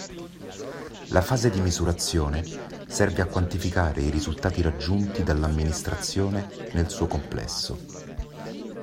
La fase di misurazione serve a quantificare i risultati raggiunti dall'amministrazione nel suo complesso.